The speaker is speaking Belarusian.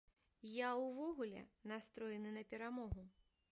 Я, увогуле, настроены на перамогу.